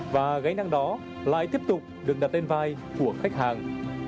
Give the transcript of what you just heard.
và gây năng đó lại tiếp tục được đặt lên vai của khách hàng